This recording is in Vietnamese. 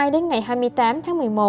đến ngày hai mươi tám tháng một mươi một